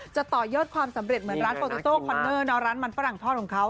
จะต่อยอดความสำเร็จเหมือนร้านโปรตูโต้คอนเนอร์ร้านมันฝรั่งทอดของเขา